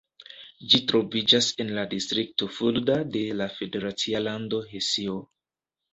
Ĝi troviĝas en la distrikto Fulda de la federacia lando Hesio.